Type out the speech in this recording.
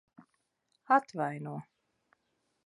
Atvaino.